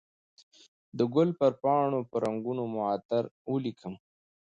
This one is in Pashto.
د ګل پر پاڼو به رنګونه معطر ولیکم